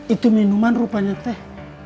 itu minuman rupanya teh